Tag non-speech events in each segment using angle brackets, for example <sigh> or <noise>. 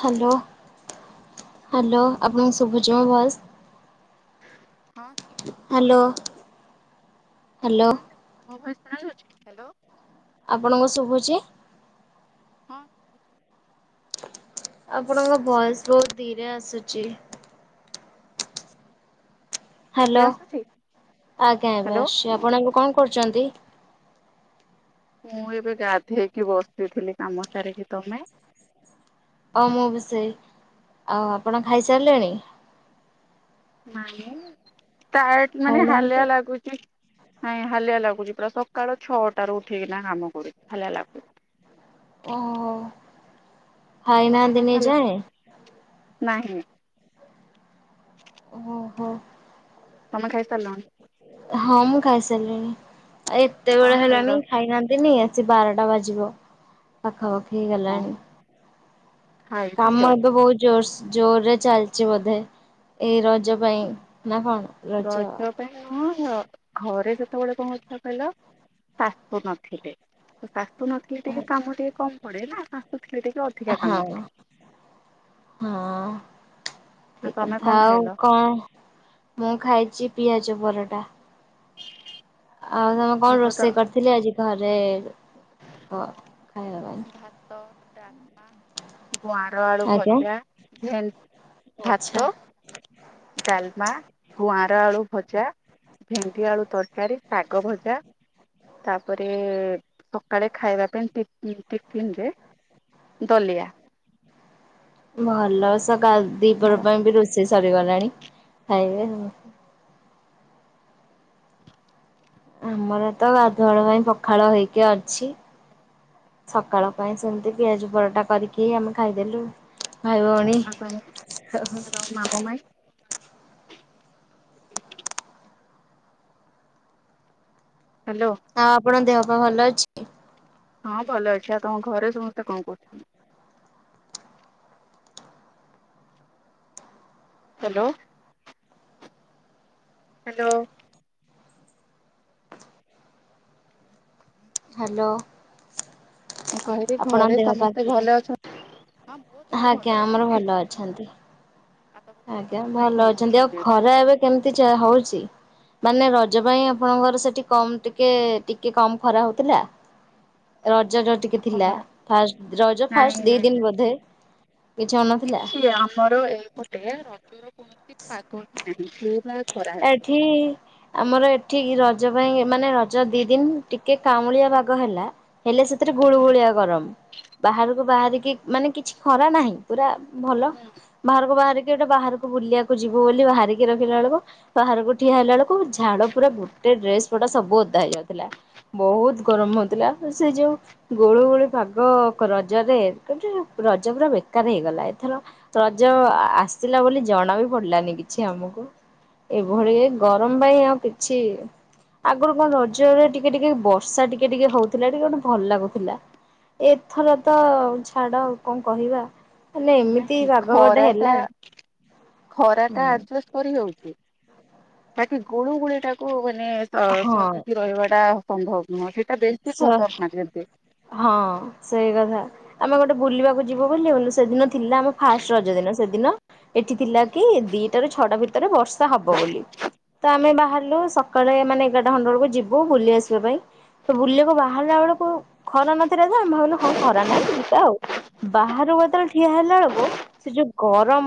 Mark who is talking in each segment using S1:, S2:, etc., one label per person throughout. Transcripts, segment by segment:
S1: Hello
S2: hello
S1: hello ଆପଣଙ୍କ ସୁବୁଛି ମୋ ଭଏସ୍।
S2: ହଁ ସ
S1: ହ୍ୟାଲୋ ହ୍ୟାଲୋ
S2: ସୁଣା ଯାଉଛି ମୋ ଭଏସ୍ ଶୁଣାଯାଉଛି?
S1: ଆପଣଙ୍କ ଶୁଭୁଛି?
S2: ହଁ
S1: ଆପଣଙ୍କ ଭଏସ ବହୁତ ଧୀରେ ଆସୁଚି।
S2: ଏବେ
S1: ହ୍ୟାଲୋ
S2: ଆସୁଛି
S1: ଆଜ୍ଞା ଆଜ୍ଞା
S2: ହ୍ୟାଲୋ
S1: ଆସୁଛି ଆପଣ ଏବେ କଣ କରୁଛନ୍ତି?
S2: ମୁଁ ଏବେ ଗାଧେଇକି ବସିଥିଲି କାମ ସାରିକି ତମେ?
S1: ହ ମୁଁ ବି ସେଇ ଆଉ ଆପଣ ଖାଇସାରିଲେଣି?
S2: ନାଇ ଟାଏଡ ମାନେ
S1: ଖାଇନାହାନ୍ତି
S2: ହାଲିଆ ଲାଗୁଚି। ନାଇଁ ହାଲିଆ ଲାଗୁଛି ପୁରା ସକାଳ ଛଅଟାରୁୁ ଉଠିକିନା କାମ କରୁଛି। ହାଲିଆ ଲାଗୁଛି
S1: ଓ ହୋ।
S2: ତମେ
S1: ଖାଇନାହା ଦିନେ
S2: ଖାଇସାରିଲଣି
S1: ଯାଏ।
S2: ନାହିଁ।
S1: ଓ ହୋ।
S2: ତମେ ଖାଇସାରିଲଣି?
S1: ହଁ। ମୁଁ ଖାଇସାରିଲିଣି। ଆଉ ଏତେ
S2: କଣ
S1: ବେଳ
S2: ଖାଇଲ
S1: ହେଲାଣି ଖାଇନାହାନ୍ତିନି। ସେ ବାରଟା ବାଜିବ ପାଖାପାଖି
S2: ହଁ
S1: ହେଇଗଲାଣି।
S2: ଖାଇବି
S1: କାମ
S2: ଆଉ
S1: ଏବେ ବହୁତ ଜୋରସ ଜୋରରେ ଚାଲିଛି ବୋଧେ ଏଇ ରଜ ପାଇଁ ନା କଣ?
S2: ରଜ ପାଇଁ ନୁହଁ। ଘରେ ଯେତେବେଳେ କଣ ହଉଥିଲା କହିଲ ଶାଶୁ ନଥିଲେ ତ ଶାଶୁ ନଥିଲେ ଟିକେ କାମ ଟିକେ କମ ପଡେ ନା। ଥିଲେ ଟିକେ ଅଧିକା କାମ
S1: ହଁ
S2: ପଡେ।
S1: ହଁ।
S2: ଆଉ
S1: ଏଇ
S2: ତମେ
S1: କଥା
S2: କଣ
S1: ଆଉ
S2: ଖାଇଲ?
S1: କଣ ମୁଁ ଖାଇଛି ପିଆଜ ପରଟା। ଆଉ ତମେ କଣ
S2: ମୁଁ ତ
S1: ରୋଷେଇ କରିଥିଲି ଆଜି ଘରେ କ? ଖାଇବା ପାଇଁ?
S2: ଭାତ ଡାଲମା ଗୁଆଁର ଆଳୁ
S1: ଆଜ୍ଞା।
S2: ଭଜା ଭେନ
S1: ଆଚ୍ଛା।
S2: ଭାତ। ଡାଲମା, ଗୁଆଁର ଆଳୁ ଭଜା। ଭେଣ୍ଡି ଆଳୁ ତରକାରୀ, ଶାଗ ଭଜା। ତାପରେ ସକାଳେ ଖାଇବା ପାଇଁ ଟିପି ଟିଫିନ ରେ ଦଲିଆ।
S1: ଭଲ ସେ ଗାଇ ଦୀପହର
S2: ଆଉ
S1: ପାଇଁ ବି ରୋଷେଇ ସରିଗଲାଣି ଖାଇବେ ଆଉ। ଆମର ତ ଗାଧୁଆଳ ପାଇଁ ପଖାଳ ହେଇକି ଅଛି। ସକାଳ ପାଇଁ ସେମିତି ପିଆଜ ପରଟା କରିକି ଆମେ ଖାଇଦେଲୁ। ଭାଇ ଭଉଣୀ।
S2: ତମ
S1: ହୋଓ।
S2: ତମ ମାମୁଁ ମାଇଁ ହାଲୋ।
S1: ଆପଣ ଦେହ ପା ଭଲ ଅଛି।
S2: ହଁ ଭଲ ଅଛି। ଆଉ ତମ ଘରେ ସମସ୍ତେ କଣ କରୁଚନ୍ତି। ହାଲୋ। ହାଲୋ।
S1: ହାଲୋ।
S2: ମୁଁ କହିଲି
S1: ଆପଣଙ୍କ
S2: ଘରେ
S1: ଦେହ ପା
S2: ସମସ୍ତେ
S1: ଭଲ।
S2: ଅଛନ୍ତି? ହଁ ମୋ ଦେହ ଭଲ
S1: ଆଜ୍ଞା ଆମର
S2: ଅଛି
S1: ଭଲ ଅଛନ୍ତି।
S2: ଆଉ ତମ
S1: ଆଜ୍ଞା
S2: ମାମୁଁ ମାଇଁ
S1: ଭଲ
S2: କଣ
S1: ଅଛନ୍ତି। ଆଉ
S2: କରୁଛନ୍ତି
S1: ଖରା ଏବେ କେମିତି ଚା ହଉଚି। ମାନେ ରଜ ପାଇଁ ଆପଣଙ୍କର ସେଠି କମ ଟିକେ ଟିକେ କମ ଖରା ହଉଥିଲା। ରଜ ତ ଟିକେ ଥିଲା।
S2: ଖରା
S1: ଫାଷ୍ଟ ରଜ
S2: ନାଇଁ
S1: ଫାଷ୍ଟ ଦି
S2: ନାଇଁ
S1: ଦିନ ବୋଧେ? କିଛି ହଉନଥିଲା?
S2: କିଛି ଆମର ଏପେଟ ରଜର କୌଣସି ପାଗ ହି ନାହିଁ। <unintelligible>
S1: ଏଠି ଆମର ଏଠି ର ରଜ ପାଇଁ ମାନେ ରଜ ଦି ଦିନ ଟିକେ କାଉଁଳିଆ ପାଗ ହେଲା। ହେଲେ ସେଥିରେ ଗୁଳୁ
S2: ହୁଁ
S1: ଗୁଳିଆ ଗରମ। ବାହାରକୁ ବାହାରିକି ମାନେ କିଛି ଖରା ନାହିଁ। ପୁରା ଭଲ
S2: ହୁଁ
S1: ବାହାରକୁ ବାହାରିକି ଗୋଟେ ବାହାରକୁ ବୁଲିବାକୁ ଯିବୁ ବୋଲି। ବାହାରିକି ରଖିଲା ବେଳକୁ ବାହାରକୁ ଠିଆ ହେଲା ବେଳକୁ ଝାଳ ପୁରା ଗୋଟେ ଡ୍ରେସ ପଡା ସବୁ ଅଦା ହେଇଯାଉଥିଲା ବହୁତ ଗରମ। ମ ହଉଥିଲା ସେ ଯୋଉ ଗୁଳୁ ଗୁଳୁ ପାଗ ରଜରେ ଗୋ ରଜ ପୁରା ବେକାର ହେଇଗଲା ଏଥର ରଜ ଆସିଲା ବୋଲି ଜଣା ବି ପଡିଲାନି କିଛି ଆମକୁ। ଏଇଭଳି ଏ ଗରମ ପାଇଁ ଆଉ କିଛି ଆଗରୁ କଣ ରଜରେ ଟିକେ ଟିକେ ବର୍ଷା ଟିକେ ଟିକେ ହଉଥିଲା। ଟିକେ ମାନେ ଭଲ ଲାଗୁଥିଲା। ଏଥର ତ ଛାଡ ଆଉ କଣ କହିବା। ହେଲେ ଏମିତି ପାଗ ଗୋଟେ
S2: ଖରା
S1: ହେଲା
S2: ଟା ଖରା ଟା
S1: ହୁଁ
S2: ଆଡଜଷ୍ଟ କରି ହଉ ବାକି ଗୁଳୁ ଗୁଳିଟାକୁ ମାନେ ତ ସହିକି ରହିବାଟା ଅସମ୍ଭବ।
S1: ଆଛା ହଁ ସେଇ କଥା। ଆମେ ଗୋଟେ ବୁଲିବାକୁ ଯିବୁ ବୋଲି ବୁଲି ସେଦିନ ଥିଲା ଆମ ଫାଷ୍ଟ ରଜ ଦିନ ସେଦିନ। ଏଠି ଥିଲା କି ଦିଟା ରୁ ଛଅଟା ଭିତରେ ବର୍ଷା ହବ ବୋଲି। ତ ଆମେ ବାହାରିଲୁ ସକାଳେ ମାନେ ଏଗାରଟା ଖଣ୍ଡେ ବେଳକୁ ଯିବୁ ବୁଲି ଆସିବା ପାଇଁ। ତ ବୁଲକୁ ବାହାରିଲା ବେଳକୁ ଖରା ନଥିଲା ତ। ଆମେ ଭାବିଲୁ ହଁ ଖରା ନାଇଁ ଯିବା ଆଉ। ବାହାରୁକୁ ଯେତେବେଳେ ଠିଆ ହେଲା ବେଳକୁ। ସେ ଯୋଉ ଗରମ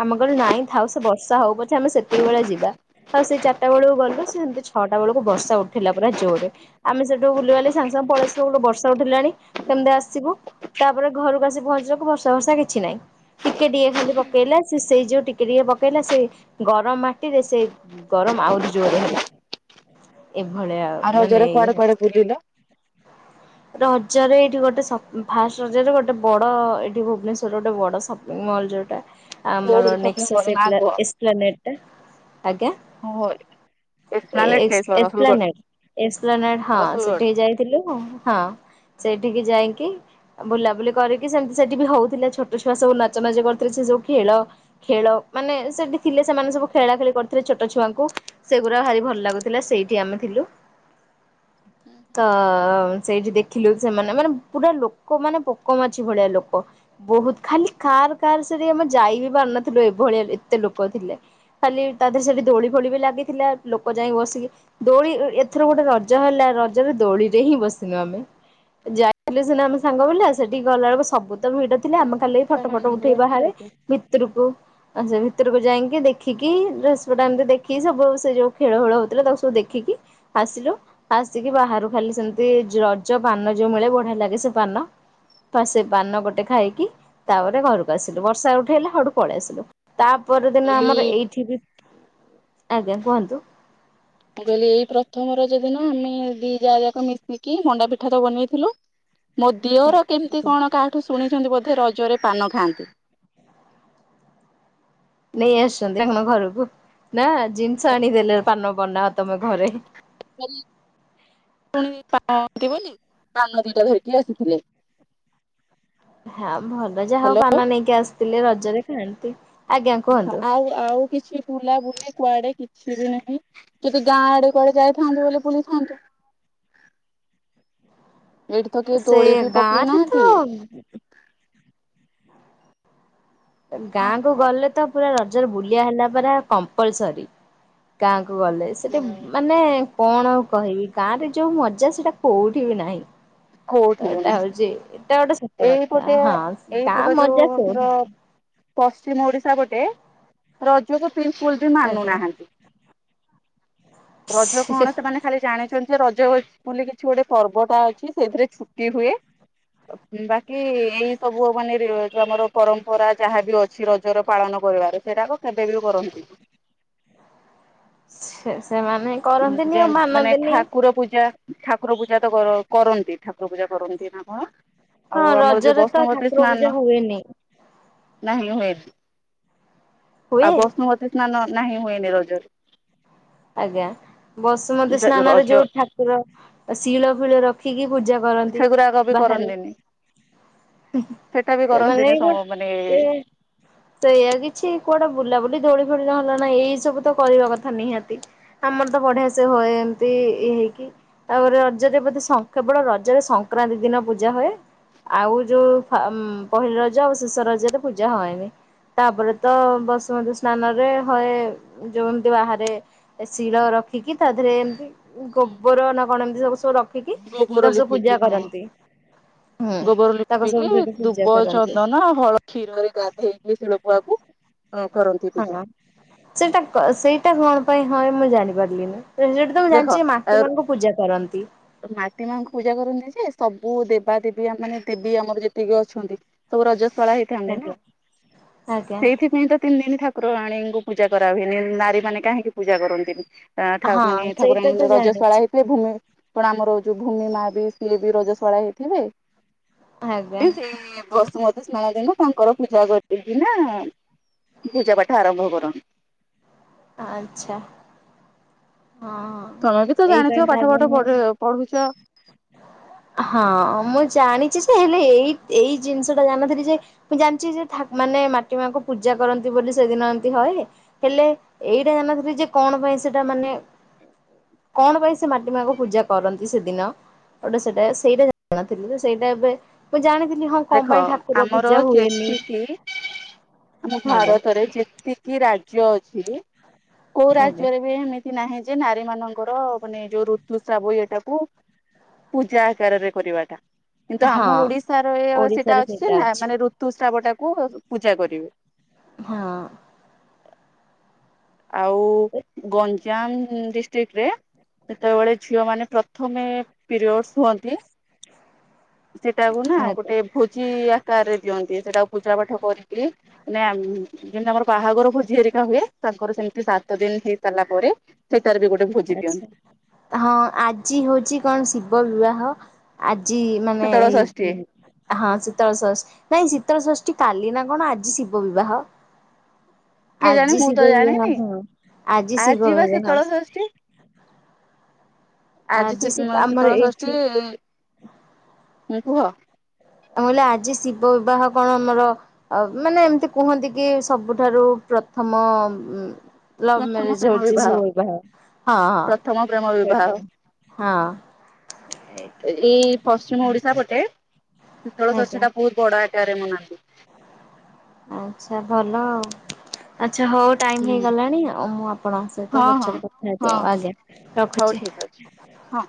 S1: ଆମେ କହିଲୁ ନାଇଁ ଥାଉ ସେ ବସ ବର୍ଷା ହଉ ପଛେ ଆମେ ସେତିକିବେଳେ ଯିବା। ଆଉ ସେଇ ଚାରିଟା ବେଳକୁ ଗଲୁ। ସେ ସେମିତି ଛଅଟା ବେଳକୁ ବର୍ଷା ଉଠେଇଲା ପୁରା ଜୋରରେ। ଆମେ ସେଠୁ ବୁଲିବାଲି ସାଙ୍ଗେ ସାଙ୍ଗେ ପଳେଇ ଆସିଲୁ ବର୍ଷା ଉଠିଲାଣି କେମିତି ଆସିବୁ। ତାପରେ ଘରକୁ ଆସି ପହଞ୍ଚିବାକୁ ବର୍ଷା ଫର୍ଷା କିଛି ନାହିଁ। ଟିକେ ଟିକେ ଖାଲି ପକେଇଲା ସେଇ ଯୋଉ ଟିକେ ଟିକେ ପକେଇଲା। ସେ ଗରମ ମାଟିରେ ସେ ଗର ଆହୁରି ଜୋରେ ହେଲା ଏଭଳିଆ ମାନେ ଇଏ।
S2: କୁଆଡ଼େ ବୁଲିଲ।
S1: ରଜରେ ଏଇଠି ଗୋଟେ ସପ ଫାଷ୍ଟ ରଜରେ। ଗୋଟେ ବଡ ଏଠି ଭୁବନେଶ୍ଵରରେ ଗୋଟେ ବଡ ସପିଂ ମଲ ଯଉଟା
S2: କୋଉ
S1: ଆମର
S2: ସପିଂ କଲ
S1: ନେକ୍ସେସ
S2: ନା
S1: ହେଇଥିଲା
S2: କୁହ?
S1: ଏସ୍ପ୍ଲାନେଟ ଟା। ଆଜ୍ଞା
S2: ଓହୋ ଏକ୍ସପ୍ଲାନେଟ
S1: ଏ-ଏସ
S2: ଯାଇଥିଲ ରସୁଲଗଡ
S1: ଏସ୍ପ୍ଲାନେଟ ଏସ୍ପ୍ଲାନେଟ। ହଁ
S2: ରସୁଲଗଡ
S1: ସେଠିକି ଯାଇଥିଲୁ ହଁ ସେ ସେଠିକି ଯାଇକି ବୁଲାବୁଲି କରିକି ସେମିତି ସେଠି ବି ହଉଥିଲା ଛୋଟ ଛୁଆ ସବୁ ନଚାନଚି କରିଥିଲେ ସେ ସବୁ କି ଖେଳ ଖେଳ ମାନେ ସେଠି ଥିଲେ, ସେମାନେ ସବୁ ଖେଳା ଖେଳି କରିଥିଲେ ଛୋଟ ଛୁଆଙ୍କୁ ସେଗୁରା ଭାରି ଭ ଭଲ ଲାଗୁଥିଲା ସେଇଠି ଆମେ ଥିଲୁ ତ ସେଇଠି ଦେଖିଲୁ ସେମାନେ ମାନେ ପୁରା ଲୋକ ମାନେ ପୋକ ମାଛି ଭଳିଆ ଲୋକ ବହୁତ ଖାଲି କାର କାର ସେଠି ଆମେ ଯାଇ ବି ପାରନଥିଲୁ ଏଭଳିଆ ଏତେ ଲୋକ ଥିଲେ ଖାଲି ତାଧିରେ ସେଠି ଦୋଳି ଫୋଳି ବି ଲାଗିଥିଲା ଲୋକ ଯାଇକି ବସିକି ଦୋଳି ଏ-ଏଥର ଗୋଟେ ର ରଜ ହେଲା ରଜରେ ଦୋଳିରେ ହିଁ ବସିନୁ ଆମେ ଯାଇଥିଲି ସିନା ଆମେ ସାଙ୍ଗ ପିଲା ସେଠିକି ଗଲାବେଳକୁ ସବୁ ଭିଡ ଥିଲା ଆମେ
S2: ତମ
S1: କାଲି
S2: ଝିଅ
S1: ଫଟୋ ଫଟ
S2: ମାନଙ୍କର
S1: ଉଠେଇ
S2: ହିଁ
S1: ବାହାରେ
S2: ରଜ
S1: ଭିତୁରୁକୁ ଆଚ୍ଛା ଭିତରକୁ ଯାଇଁକି ଦେଖିକି ଡ୍ରେସ ପଟା ଏମତି ଦେଖି ସବୁ ସେ ଯୋଉ ଖେଳ ଫେଳ ହଉଥିଲା ତାକୁ ସବୁ ଦେଖି ଆସିଲୁ। ଆସିକି ବାହାରୁ ଖାଲି ସେମତି ଯ ରଜ ପାନ ଯୋଉ ମିଳେ ବଢିଆ ଲାଗେ ସେ ପାନ ପା ସେ ପାନ ଗୋଟେ ଖାଇକି ତାପରେ ଘରକୁ ଆସିଲୁ ବର୍ଷା ଉଠେଇଲା ହଉଠୁ ପଳେଇ ଆସିଲୁ ତାପର ଦିନ
S2: ଏଇ
S1: ଆମର
S2: ମୁଁ
S1: ଏଇଠି ବି ଆଜ୍ଞା କୁହନ୍ତୁ?
S2: ମୁଁ କହିଲି ଏଇ ପ୍ରଥମ ରଜ ଦିନ ଆମେ ଦି ଯା ଯାକ ମିଶିକି ମଣ୍ଡା ପିଠା ତ ବନେଇଥିଲୁ। ମୋ ଦିଅର କେମିତି କଣ କାହାଠୁ ଶୁଣିଛନ୍ତି ବ ରଜରେ ପାନ ଖାଆନ୍ତି।
S1: ନେଇ ଆସୁଛନ୍ତି ତାଙ୍କ ଘରକୁ ନା ଜିନିଷ ଆଣିଦେଲେ ପାନ ପନା ତମେ ଘରେ
S2: <unintelligible> ପୁଣି ତା ହଁ ଥିବନି ପାନ ଦିଟା ଧରିକି ଆସିଥିଲେ।
S1: ହଁ ଭଲ ଯାହା ହଉ
S2: ହ୍ୟାଲୋ
S1: ପାନ ନେଇକି ଆସିଥିଲେ ରଜରେ ଖାଆନ୍ତି। ଆଜ୍ଞା କୁହନ୍ତୁ
S2: ଆଉ ଆଉ କିଛି ବୁଲାବୁଲି? କୁଆଡେ କିଛି ବି ନାହିଁ, ଯଦି ଗାଁ ଆଡେ କୁଆଡେ ଯାଇଥାନ୍ତୁ ବୋଲି ବୁଲିଥାନ୍ତୁ। ଏଇଠି ତ କେହି
S1: ସେ
S2: ଦୋଳି ବି ପକେଇ
S1: ଗାଁରେ ତ
S2: ନାହାନ୍ତି। ହଁ
S1: ଗାଁ କୁ
S2: କୁହ।
S1: ଗଲେ ତ ପୁରା ରଜରେ ବୁଲିଆ ହେଲା ପରା କମ୍ପଲସରି ଗାଁ କୁ ଗଲେ ସେଠି ମାନେ କଣ ଆଉ କହିବି ଗାଁ ରେ ଯୋଉ ମଜା ସେଇଟା କୋଉଠି ବି ନାହିଁ।
S2: କୋଉଠି ବି
S1: ଏଟା
S2: ନାହିଁ
S1: ହଉଛି ଏଟା ଗୋଟେ ସତ କଥା
S2: ଏଇପଟେ
S1: ହଁ
S2: ଏଇପଟ
S1: ଗାଁ
S2: ଯୋଉ
S1: ମଜା
S2: ଆମର
S1: କଉଠି ନାଇଁ।
S2: ପଶ୍ଚିମ ଓଡିଶା ଗୋଟେ ରଜକୁ ବିଲକୁଲ ବି
S1: ଆଜ୍ଞା।
S2: ମାନୁନାହାନ୍ତି ରଜ କଣ ସେମାନେ ଖାଲି ଜାଣିଛନ୍ତି, ଯେ ରଜ ବୋଲି କିଛି ଗୋଟେ ପର୍ବ ଟା ଅଛି ସେଥିରେ ଛୁଟି ହୁଏ। ବାକି ଏଇ ସବୁ ମାନେ ଯ ଆମର ପରମ୍ପରା ଯାହାବି ଅଛି ରଜର ପାଳନ କରିବାରେ ସେଇଟାକୁ କେବେ ବି କରନ୍ତିନି।
S1: ସେ ସେମାନେ
S2: ଯେ
S1: କରନ୍ତିନି ଆଉ
S2: ମାନେ
S1: ମାନନ୍ତିନି
S2: ଠାକୁର ପୂଜା ଠାକୁର ପୂଜା ତ କ-କରନ୍ତି ଠାକୁର ପୂଜା କରନ୍ତି ନା କଣ?
S1: ହଁ
S2: ଆଉ ଆମର ଯୋଉ
S1: ରଜରେ ତ
S2: ବଷ୍ଣବତୀ
S1: ଠାକୁର ପୂଜା
S2: ସ୍ନାନ
S1: ହୁଏନି
S2: ନାହିଁ ହୁଏ ଆଉ
S1: ହୁଏ
S2: ବଷ୍ମବତୀ ସ୍ନାନ ନାହିଁ ହୁଏ ନିି ରୋଜ
S1: ଆଜ୍ଞା ବସମତ ସ୍ନାନରେ
S2: ରଜ
S1: ଯୋଉ ଠାକୁର ଶିଳ ଫିଳ ରଖିକି ପୂଜା କରନ୍ତି
S2: ସେଗୁରାକ ବି
S1: ବାହାରେ
S2: କରନ୍ତିନି। ସେଟା ବି
S1: ସେ ମାନେ
S2: କରନ୍ତିନି
S1: କ
S2: ମାନେ
S1: ତ ଏୟଆ କିଛି କୁଆଟା ବୁଲାବୁଲି ଦୋଳି ଫୋଳି ନ ହେଲା ନା ଏଇ ସବୁ ତ କରିବା କଥା ନିହାତି ଆମର ତ ବଢିଆ ସେ ହୁଏ ଏମତି ଇଏ ହେଇକି ତାପରେ ରଜରେ ବୋଧେ କେବଳ ରଜରେ ସଂକ୍ରାନ୍ତି ଦିନ ପୂଜା ହୁଏ। ଆଉ ଯୋଉ ପହିଲି ରଜ ଆଉ ଶେଷ ରଜରେ ପୂଜା ହୁଏନି। ତାପରେ ତ ବସୁମତୀ ସ୍ନାନରେ ହଏ ଯେମତି ବାହାରେ ଶିଳ ରଖିକି ତା ଦେହରେ ଏମିତି ଗୋବର ନା କଣ ଏମିତି ସବୁ ରଖିକି
S2: ଗୋବର
S1: ଦଶ
S2: ଲିପିକି
S1: ପୂଜା
S2: ହଁ
S1: କରନ୍ତି। ହୁଁ
S2: ଗୋବର
S1: ତାକୁ ସବୁ
S2: ଲିପିକି
S1: ସେଠି ପୂଜା
S2: ଦୁବ
S1: କରନ୍ତି
S2: ଚନ୍ଦନ ହଳ କ୍ଷୀରରେ ଗାଧେଇକି ଶିଳପୁଆକୁ କରନ୍ତି ପୂଜା
S1: ଆଜ୍ଞା ସେଇଟା ସେଇଟା କଣ ପାଇଁ ହଏ ମୁଁ ଜାଣିପାରିଲିନି। ତ ସେଇଠି ତ ମୁଁ
S2: ଦେଖ
S1: ଜାଣିଛି ମାଟି ମା'ଙ୍କୁ ପୂଜା କରନ୍ତି।
S2: ମାଟି ମାଙ୍କୁ ପୂଜା କରନ୍ତି ଯେ ସବୁ ଦେବା ଦେବୀ ମାନେ ଦେବୀ ଆମର ଯେତିକି ଅଛନ୍ତି ସବୁ ରଜ ଶଳା ହେଇଥାନ୍ତି ନା
S1: ଆଜ୍ଞା ଆଜ୍ଞା
S2: ସେଇଥିପାଇଁ ତ ତିନି ଦିନ ଠା ପ୍ରଆ ଣୀଙ୍କୁ ପୂଜା କରାହୁଏନି ନାରୀମାନେ କାହିଁକି ପୂଜା କରନ୍ତିନି। ମାନେ
S1: ହଁ ସେଇଟା
S2: ଠାକୁରାଣୀ
S1: ତ
S2: ରଜଶାଳା
S1: ଜାଣିଛି
S2: ହେଇଥିଲେ ଭୂମି କଣ ଆମର ଯୋଉ ଭୂମି ମା ବି ସିଏ ବି ରଜଶଳା ହେଇଥିବେ।
S1: ଆଜ୍ଞା
S2: ସେଇ ବସୁମତୀ ସ୍ନାନଙ୍କୁ ତାଙ୍କର ପୂଜା କରିଛନ୍ତି ନା। ପୂଜା ପାଠ ଆରମ୍ଭ କରନ୍ନ୍ତି।
S1: ଆଚ୍ଛା। ହଁ ହଁ
S2: ତମେ ବି ତ
S1: ଏଇ
S2: ଜାଣିଥିବ
S1: ପାଇଁ
S2: ପାଠ
S1: ଚାଲୁନି।
S2: ପାଠ ପଢୁଛ
S1: ହଁ ମୁଁ ଜାଣିଚି। ହେଲେ ଏଇ ଏଇ ଜିନିଷ ଟା ଜାଣିନଥିଲି ଯେ ମୁଁ ଜାଣିଛି ଯେ ମାନେ ମାଟି ମାଙ୍କୁ ପୂଜା କରନ୍ତି ବୋଲି। ସେଦିନ ଏମତି ହଏ ହେଲେ ଏଇଟା ଜାଣନଥିଲି ଯେ କଣ ପାଇଁ ସେଟା ମାନେ କଣ ପାଇଁ ସେ ମାଟି ମାଙ୍କୁ ପୂଜା କରନ୍ତି ସେଦିନ। ଗୋଟେ ସେଇଟା ସେଇଟା ଜାଣିନଥିଲି ତ ସେଇଟା ଏବେ ମୁଁ ଜାଣିଥିଲି ହଁ କଣ
S2: ଦେଖ
S1: ପାଇଁ ଠାକୁର
S2: ଆମର
S1: ପୂଜା ହୁଏନି
S2: କେତିକି ଆମ
S1: ଆଜ୍ଞା
S2: ଭାରତରେ ଯେତିକି ରାଜ୍ୟ ଅଛି କୋଉ
S1: ଆଜ୍ଞା
S2: ରାଜ୍ୟରେ ବି ଏମିତି ନାହିଁ ଯେ ନାରୀ ମାନଙ୍କର ମାନେ ଯୋଉ ଋତୁସ୍ରାବ ଏଇଟାକୁ ପୂଜା ଆକାରରେ କରିବାଟା କିନ୍ତୁ
S1: ହଁ
S2: ଆମ ଓଡିଶା ର ସେଇଟା ଅଛି ଯେ ନା ମାନେ ଋତୁସ୍ରାବ ଟାକୁ ପୂଜା କରିବେ।
S1: ହଁ।
S2: ଆଉ ଗଞ୍ଜାମ ଡିଷ୍ଟ୍ରିକ୍ଟ ରେ ସେତେବେଳେ ଝିଅ ମାନେ ପ୍ରଥମେ ପିରିଅଡସ ହୁଅନ୍ତି। ସେଟାକୁ ନା
S1: ଆଜ୍ଞା
S2: ଗୋଟେ ଭୋଜି ଆକାରରେ ଦିଅନ୍ତି। ସେଇଟାକୁ ପୂଜା ପାଠ କରିକି ନା ମେ ଯେମିତି ଆମର ବାହାଘର ଭୋଜି ହେରିକା ହୁଏ। ତାଙ୍କର ସେମିତି ସାତ ଦିନ ହେଇସାରିଲା ପରେ ସେଇଟାରେ ବି ଗୋଟେ ଭୋଜି
S1: ଆଛା
S2: ଦିଅନ୍ତି
S1: ହଁ ଆଜି ହଉଛି କଣ ଶିବ ବିବାହ ଆ ଜି ମାନେ
S2: ଶୀତଳ ଷଷ୍ଠୀ
S1: ହଁ ଶୀତଳ ସଷ୍ ନାଇଁ ଶୀତଳ ସଷ୍ ଷ୍ଟି କାଲି ନା କଣ ଆଜି ଶିବ ବିବାହ।
S2: କିଏ ଜାଣେ
S1: ଆଜି
S2: ମୁଁ ତ
S1: ଶିବ
S2: ଜାଣିନି
S1: ବିବାହ ହଁ ଆଜି ଶିବ
S2: ବା ଶୀତଳ
S1: ବିବାହ।
S2: ଷଷ୍ଠୀ ଆଜି ସିସ
S1: ଶିବ ଆମର
S2: ଶୀତଳ ଷଷ୍ଠୀ
S1: ଏଇଠି
S2: ହୁଁ କୁହ?
S1: ମୁଁ କହିଲି ଆଜି ଶିବ ବିବାହ କଣ ଆମର ମାନେ ଏମିତି କୁହନ୍ତି କି ସବୁଠାରୁ ପ୍ରଥମ ଲଭ
S2: ପ୍ରଥମ
S1: ମେରଜ
S2: ପ୍ରେମ
S1: ହଉଚିଶିବ ବିବାହ ହଁ ହଁ
S2: ପ୍ରଥମ ପ୍ରେମ ବିବାହ
S1: ହେଟା। ହଁ।
S2: ଏଇ ପଶ୍ଚିମ ଓଡିଶା ପଟେ ଥୋଡ ସ ସେଟା ଵହୁତ ବଡ଼ ଆକାରରେ ମନାନ୍ତି।
S1: ଆ୍ଛା ଭଲ ଆଉ। ଆଚ୍ଛା ହଉ ଟାଇମ
S2: ହୁଁ
S1: ହେଇଗଲାଣି ଆଉ ମୁଁ ଆପଣଙ୍କ ସହିତ
S2: ହଁ ହଁ
S1: ପଛରେ କଥା ହେବି ଆଉ
S2: ହଁ
S1: ଆଜ୍ଞା
S2: ହଉ
S1: ରଖୁଛି।
S2: ଠିକ ଅଛି
S1: ହ <inaudible>
S2: ହଁ।